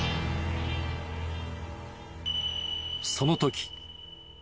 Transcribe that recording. その時。